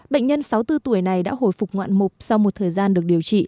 bệnh nhân sáu mươi bốn tuổi này đã hồi phục ngoạn mục sau một thời gian được điều trị